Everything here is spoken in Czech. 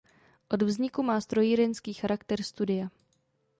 Od vzniku má strojírenský charakter studia.